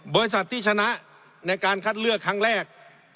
บริษัทที่ชนะในการคัดเลือกครั้งแรก